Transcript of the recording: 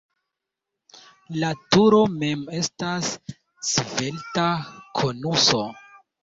La turo mem estas svelta konuso.